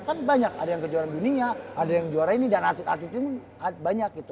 kan banyak ada yang kejuaraan dunia ada yang juara ini dan atlet atlet itu banyak gitu